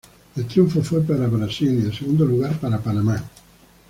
El triunfo fue para Brasil y el segundo lugar para Panamá.